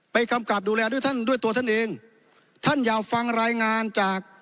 กำกับดูแลด้วยท่านด้วยตัวท่านเองท่านอยากฟังรายงานจาก